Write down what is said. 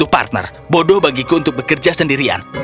sepuluh partner bodoh bagiku untuk bekerja sendirian